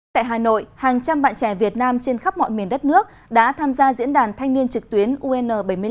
tại hà nội hàng trăm bạn trẻ việt nam trên khắp mọi miền đất nước đã tham gia diễn đàn thanh niên trực tuyến un bảy mươi năm